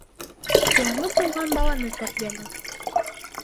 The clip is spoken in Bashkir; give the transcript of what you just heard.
Яңы тыуған баланы тәрбиәләү